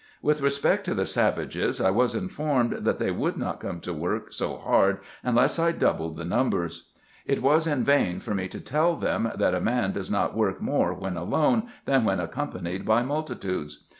With respect to the savages, I was in formed, that they wovdd not come to work so hard, unless I doubled the numbers. It was in vain for me to tell them, that a man does not work more when alone, than when accompanied by multitudes.